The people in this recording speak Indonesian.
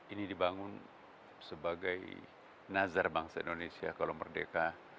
ini dibangun sebagai nazar bangsa indonesia kalau merdeka